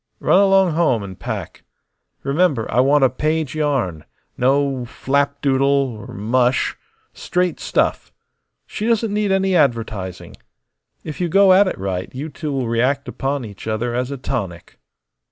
Run along home and pack. Remember, I want a page yarn. No flapdoodle or mush; straight stuff. She doesn't need any advertising. If you go at it right you two will react upon each other as a tonic."